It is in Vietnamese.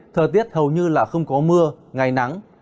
thời tiết hầu như là không có mưa ngày nắng